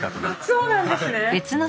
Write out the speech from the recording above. そうなんですね。